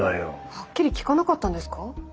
はっきり聞かなかったんですか？